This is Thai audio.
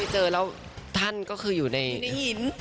เจอแล้วท่านก็คืออยู่ในหิน